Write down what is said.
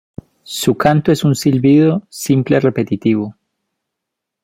Su canto es un silbido simple repetitivo.